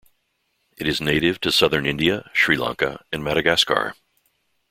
It is native to southern India, Sri Lanka, and Madagascar.